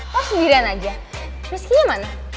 kok sendirian aja reskinya mana